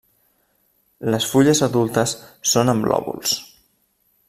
Les fulles adultes són amb lòbuls.